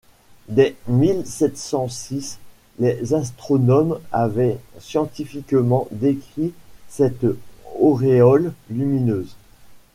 Dès mille sept cent six, les astronomes avaient scientifiquement décrit cette auréole lumineuse.